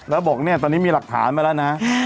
แล้วบอกเนี่ยตอนนี้มีหลักฐานมาแล้วนะ